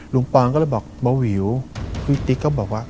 ปอนก็เลยบอกเบาวิวพี่ติ๊กก็บอกว่า